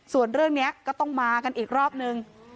ส่วนเรื่องนี้ก็ต้องมากันอีกรอบนึง